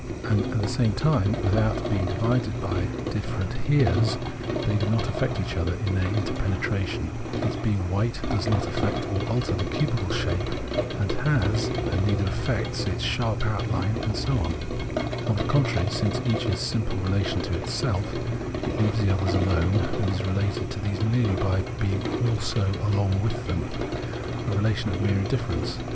And at the same thne, without being divided by different Heres, they do not affect each other in their inter penetration ; its being white does not affect or alter the cubical shape it has, and neither affects its sharp outhne, and so on : on the contrary, since each is simple relation to self, it leaves the others alone and is related to these merely by being also along with them, a relation of mere indifference.